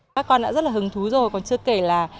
các con đã rất là hứng thú rồi còn chưa kể là